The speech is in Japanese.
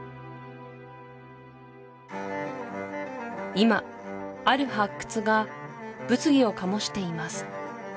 今ある発掘が物議を醸しています